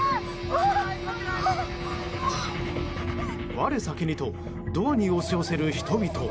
我先にとドアに押し寄せる人々。